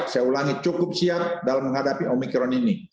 saya ulangi cukup siap dalam menghadapi omikron ini